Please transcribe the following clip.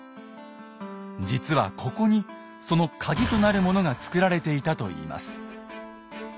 実はここにそのカギとなるものが造られていたといいます。